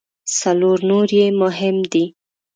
څلور نور یې مهم دي.